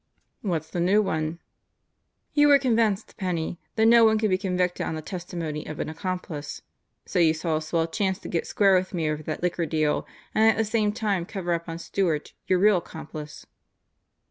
"What's the new one?" "You were convinced, Penney, that no one could be convicted on the testimony of an accomplice. So you saw a swell chance to get square with me over that liquor deal and at the same time cover up on Stewart, your real accomplice."